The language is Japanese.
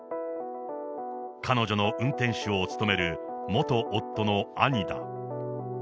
彼女の運転手を務める、元夫の兄だ。